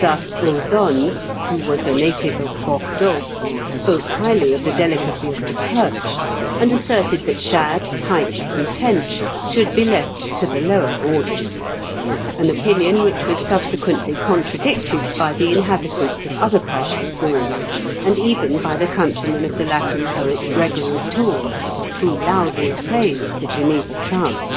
Thus Ausone, who was a native of Bordeaux, spoke highly of the delicacy of the perch, and asserted that shad, pike, and tench should be left to the lower orders; an opinion which was subsequently contradicted by the inhabitants of other parts of Gaul, and even by the countrymen of the Latin poet Gregory of Tours, who loudly praised the Geneva trout.